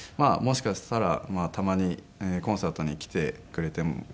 もしかしたらたまにコンサートに来てくれても。